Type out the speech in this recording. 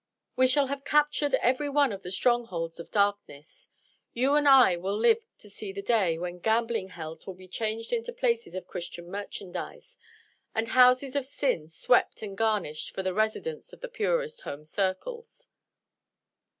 We shall have captured every one of the strongholds of darkness. You and I will live to see the day when gambling hells will be changed into places of Christian merchandise, and houses of sin swept and garnished for the residence of the purest home circles.